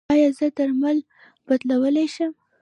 ایا زه درمل بدلولی شم؟